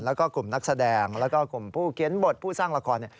แล้วก็กลุ่มนักแสดงแล้วก็กลุ่มผู้เขียนบทผู้สร้างละคร